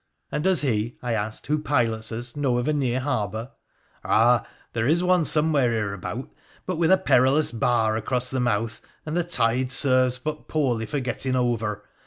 ' And does he,' I asked, ' who pilots us know oi a near harbour ?'' Ah ! there is one somewhere hereabout, but with a perilous bar across the mouth, and the tide serves but poorly for getting over.